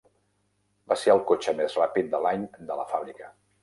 Va ser el cotxe més ràpid de l'any de la fàbrica.